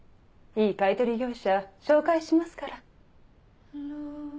いい買い取り業者紹介しますから。